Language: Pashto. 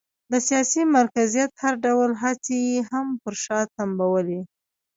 د سیاسي مرکزیت هر ډول هڅې یې هم پر شا تمبولې.